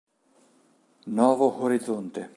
Novo Horizonte